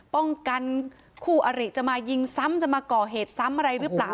ป้องกันคู่อริจะมายิงซ้ำจะมาก่อเหตุซ้ำอะไรหรือเปล่า